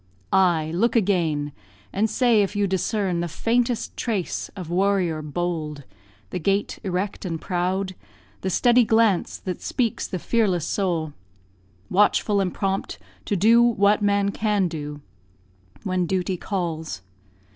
Ay! look again, And say if you discern the faintest trace Of warrior bold; the gait erect and proud, The steady glance that speaks the fearless soul, Watchful and prompt to do what man can do When duty calls.